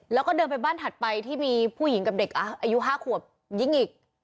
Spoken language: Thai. แล้วก็เดินไปบ้านถัดไปที่มีผู้หญิงกับเด็กอายุ๕ขวบยิงอีก